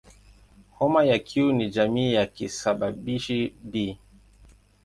Homa ya Q ni jamii ya kisababishi "B".